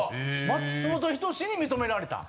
松本人志に認められた。